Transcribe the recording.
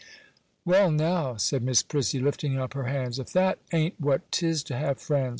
'Well, now,' said Miss Prissy, lifting up her hands, 'if that a'n't what 'tis to have friends!